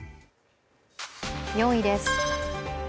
４位です。